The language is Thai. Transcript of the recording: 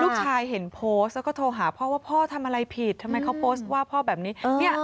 เห็นโพสต์แล้วก็โทรหาพ่อว่าพ่อทำอะไรผิดทำไมเขาโพสต์ว่าพ่อแบบนี้